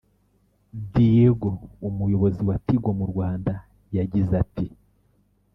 Diego umuyobozi wa Tigo mu Rwanda yagize ati